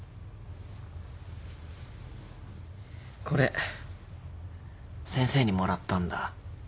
これ先生にもらったんだ。